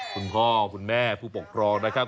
คุณพ่อคุณแม่ผู้ปกครองนะครับ